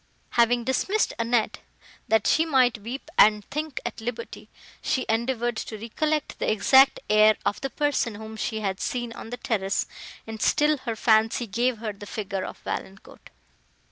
Having dismissed Annette, that she might weep and think at liberty, she endeavoured to recollect the exact air of the person, whom she had seen on the terrace, and still her fancy gave her the figure of Valancourt.